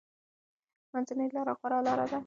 منځنۍ لاره غوره لاره ده.